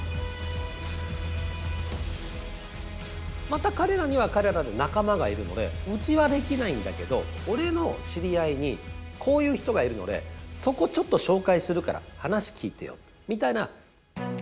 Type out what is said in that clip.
また彼らには彼らで仲間がいるので「うちはできないんだけど俺の知り合いにこういう人がいるのでそこちょっと紹介するから話聞いてよ」みたいな。